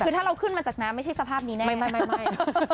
คือถ้าเราขึ้นมาจากน้ำไม่ใช่สภาพนี้แน่ไม่